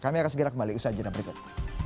kami akan segera kembali ke usaha jenam berikut